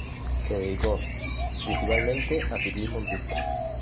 Se dedicó principalmente al ciclismo en pista.